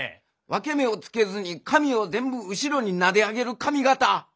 分け目をつけずに髪を全部後ろになで上げる髪形。